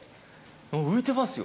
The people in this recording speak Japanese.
浮いてますよ。